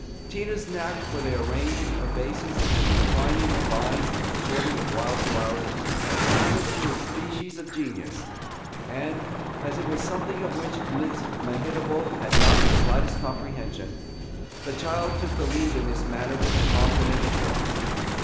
Tina's knack for the arranging of vases and twining of vines and sorting of wild flowers amounted to a species of genius; and, as it was something of which Miss Mehitable had not the slightest comprehension, the child took the lead in this matter with a confident assurance.